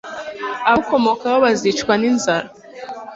abamukomokaho bazicwa n'inzara